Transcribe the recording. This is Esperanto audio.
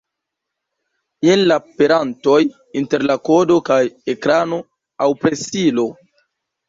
Jen la perantoj inter la kodo kaj ekrano aŭ presilo.